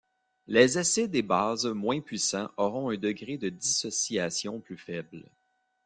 Les acides et bases moins puissants auront un degré de dissociation plus faible.